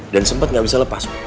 dan sempat gak bisa lepas